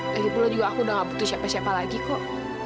lagipula aku juga udah nggak butuh siapa siapa lagi kok